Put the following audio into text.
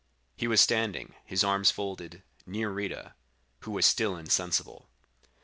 He was standing, his arms folded, near Rita, who was still insensible.